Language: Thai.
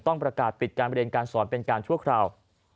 ประกาศปิดการเรียนการสอนเป็นการชั่วคราว